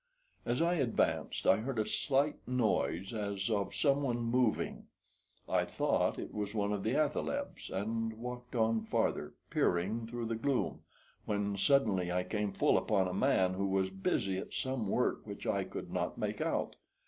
As I advanced I heard a slight noise, as of someone moving. I thought it was one of the athalebs, and walked on farther, peering through the gloom, when suddenly I came full upon a man who was busy at some work which I could not make out.